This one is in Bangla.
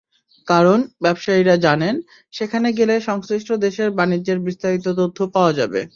কারণ, ব্যবসায়ীরা জানেন, সেখানে গেলে সংশ্লিষ্ট দেশের বাণিজ্যের বিস্তারিত তথ্য পাওয়া যাবে।